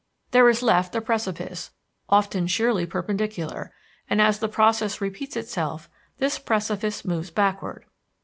There is left a precipice, often sheerly perpendicular; and, as the process repeats itself, this precipice moves backward.